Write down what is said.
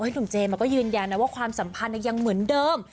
หนุ่มเจมก็ยืนยันนะว่าความสัมพันธ์ยังเหมือนเดิม